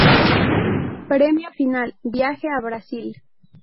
Premio Final: Viaje a Brasil.